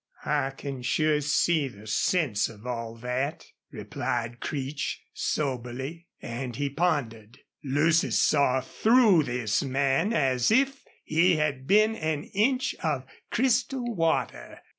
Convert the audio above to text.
"I can sure see the sense of all that," replied Creech, soberly. And he pondered. Lucy saw through this man as if he had been an inch of crystal water.